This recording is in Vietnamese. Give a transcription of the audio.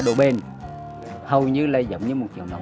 đang hoàn thành một chiếc lạ